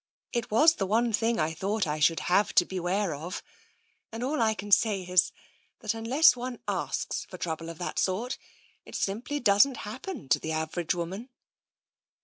It was the one thing I thought I should have to beware of. ... And all I can say is, that unless one asks for 68 TENSION trouble of that sort, it simply doesn't happen to the average woman."